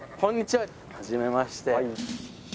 はじめまして。